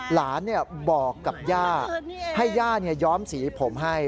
หลานบอกกับย่าให้ย่าย้อมสีผมให้